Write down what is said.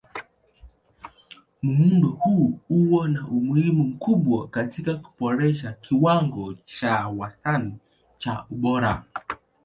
Muundo huu huwa na umuhimu mkubwa katika kuboresha kiwango cha wastani cha ubora.